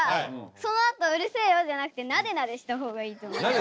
そのあと「うるせえよ！」じゃなくてなでなでした方がいいと思う。